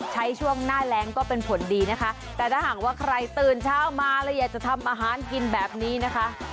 ช่วงหน้าแรงก็เป็นผลดีนะคะแต่ถ้าหากว่าใครตื่นเช้ามาแล้วอยากจะทำอาหารกินแบบนี้นะคะ